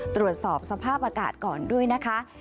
ตรวจสอบสภาพอากาศก่อนด้วยนะคะ